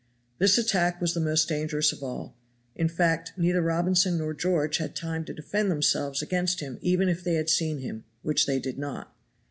This attack was the most dangerous of all; in fact, neither Robinson nor George had time to defend themselves against him even if they had seen him, which they did not.